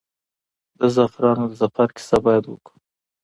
د زعفرانو د سفر کیسه باید وکړو.